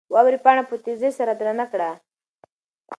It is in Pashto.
واورې پاڼه په تېزۍ سره درنه کړه.